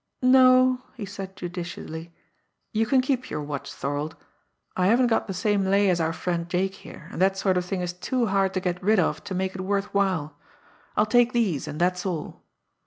"No," he said judicially. "You can keep your watch, Thorold; I haven't got the same lay as our friend Jake here, and that sort of thing is too hard to get rid of to make it worth while. I'll take these, and that's all."